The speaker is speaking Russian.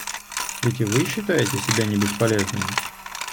Ведь и вы считаете себя не бесполезным.